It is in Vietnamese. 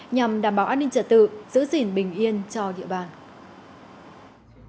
nhằm đảm bảo an ninh trật tự giữ gìn bình yên cho địa bàn